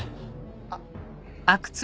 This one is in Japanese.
あっ。